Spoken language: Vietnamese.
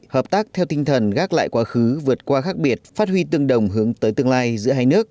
hợp tác theo tinh thần gác lại quá khứ vượt qua khác biệt phát huy tương đồng hướng tới tương lai giữa hai nước